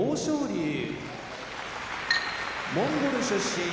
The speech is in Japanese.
龍モンゴル出身